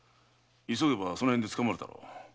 急げばその辺でつかまるだろう。